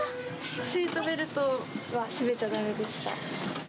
シートベルトは締めちゃだめでした。